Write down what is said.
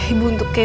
ibu untuk kamu